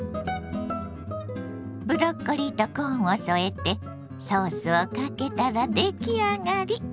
ブロッコリーとコーンを添えてソースをかけたら出来上がり！